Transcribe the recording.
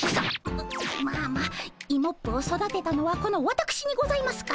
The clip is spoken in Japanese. ままあまあイモップを育てたのはこのわたくしにございますから。